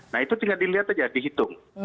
nah itu tinggal dilihat aja dihitung